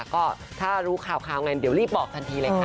ก็ถ้ารู้ข่าวไงเดี๋ยวรีบบอกทันทีเลยค่ะ